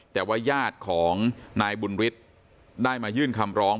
แต่ว่าญาติของนายบุญฤทธิ์ได้มายื่นคำร้อง